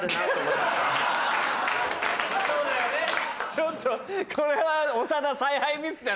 ちょっとこれは長田。